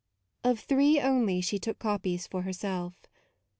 Of three only she took copies for herself.